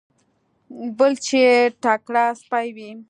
بل چې تکړه سپی وي.